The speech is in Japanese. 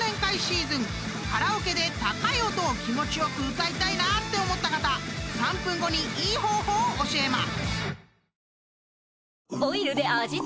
［カラオケで高い音を気持ち良く歌いたいなって思った方３分後にいい方法教えます］